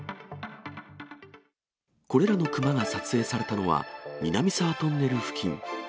これらの熊が撮影されたのは、南沢トンネル付近。